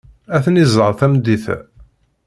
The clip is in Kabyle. Ad ten-iẓer tameddit-a.